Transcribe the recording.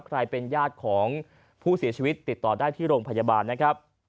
ใครเป็นญาติของผู้เสียชีวิตติดต่อได้ที่โรงพยาบาลนะครับ